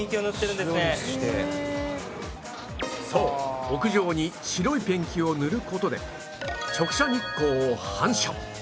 そう屋上に白いペンキを塗る事で直射日光を反射